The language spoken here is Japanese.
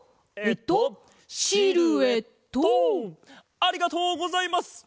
ありがとうございます！